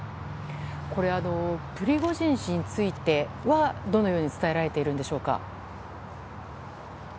プリゴジン氏についてはどのように伝えられているんでしょうか。